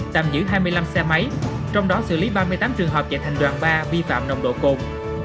tạm giữ hai mươi năm xe máy trong đó xử lý ba mươi tám trường hợp chạy thành đoàn ba vi phạm nồng độ cồn